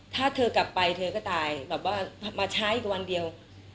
ถ้าเธอกลับไปเธอก็ตายแบบว่ามาช้าอีกวันเดียว